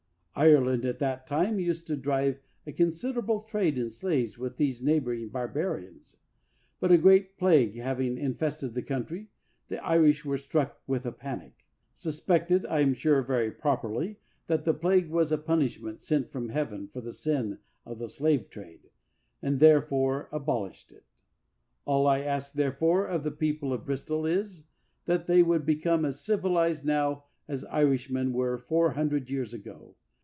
Ireland at that time used to drive a considerable trade in slaves with these neighboring barbarians ; but a great plague hav ing infested the country, the Irish were struck with a panic, suspected (I am sure very prop erly) that the plague was a punishment sent from heaven for the sin of the slave trade, and therefore abolished it. All I ask, therefore, of the people of Bristol is, that they would become as civilized now as Irishmen were four hundred years ago.